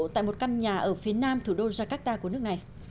tại một căn nhà ở phía nam thủ đô jakarta của nước này